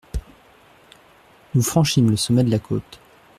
Nous franchîmes le sommet de la côte.